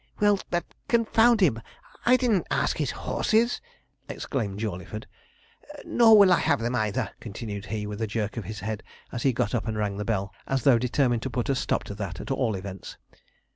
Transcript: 'Well, but, confound him, I didn't ask his horses,' exclaimed Jawleyford; 'nor will I have them either,' continued he, with a jerk of the head, as he got up and rang the bell, as though determined to put a stop to that at all events.